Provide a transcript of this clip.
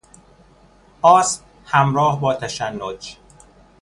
آسم همراه با تشنج